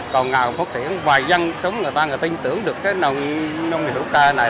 còn ngày phốt triển ngoài dân chúng người ta người ta tin tưởng được cái nông nghiệp thủ cơ này